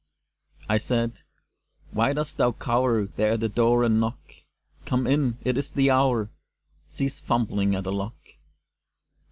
I said, _Why dost thou cower There at my door and knock? Come in! It is the hour! Cease fumbling at the lock!